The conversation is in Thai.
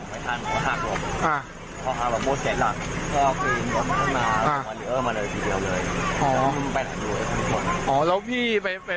พอหาบาดเจ็บหลักก็ก็กินกับพวกน้ามาเลยทีเดียวเลย